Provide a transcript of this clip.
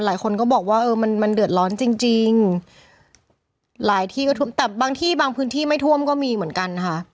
หลายคนก็บอกว่าเออมันมันเดือดร้อนจริงจริงหลายที่ก็ท่วมแต่บางที่บางพื้นที่ไม่ท่วมก็มีเหมือนกันค่ะ